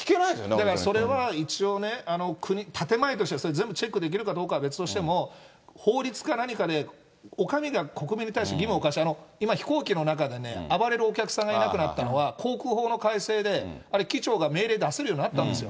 だから、それは一応ね、建て前として、それを全部チェックできるかどうかは別としても、法律か何かで、お上が国民に対して義務を課して、今、飛行機の中で暴れるお客さんがいなくなったのは、航空法の改正で、あれ、機長が命令出せるようになったんですよ。